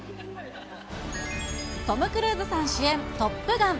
トム・クルーズさん主演、トップガン。